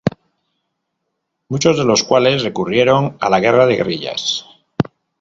Muchos de los cuales recurrieron a la guerra de guerrillas.